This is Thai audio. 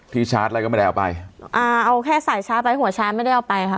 พรีชาร์จอะไรก็ไม่ได้เอาไปอ่าเอาแค่ใส่ช้าไปหัวช้าไม่ได้เอาไปค่ะ